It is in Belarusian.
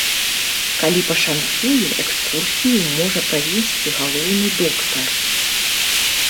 Калі пашанцуе, экскурсію можа правесці галоўны доктар.